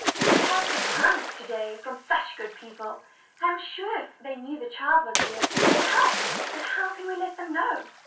I have had some crumbs to day from such good people; I am sure if they knew the child was here, they would help her." "But how can w e let them know?"